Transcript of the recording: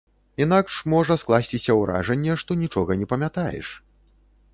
Інакш можа скласціся ўражанне, што нічога не памятаеш.